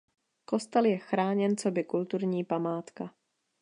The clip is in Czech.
Kostel je chráněn coby kulturní památka.